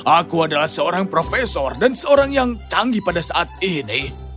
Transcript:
aku adalah seorang profesor dan seorang yang canggih pada saat ini